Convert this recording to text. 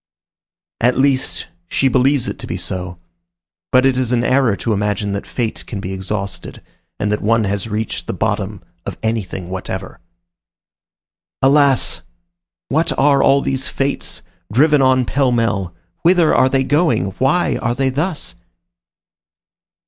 At least, she believes it to be so; but it is an error to imagine that fate can be exhausted, and that one has reached the bottom of anything whatever. Alas! What are all these fates, driven on pell mell? Whither are they going? Why are they thus?